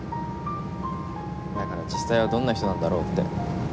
だから実際はどんな人なんだろうって。